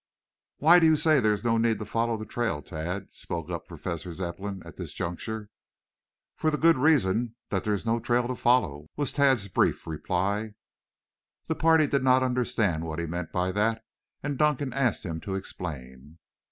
"Why do you say there is no need to follow the trail, Tad?" spoke up Professor Zepplin at this juncture. "For the good reason that there is no trail to follow," was Tad's brief reply. The party did not understand what he meant by that, and Dunkan asked him to explain.